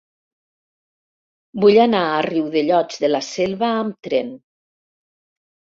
Vull anar a Riudellots de la Selva amb tren.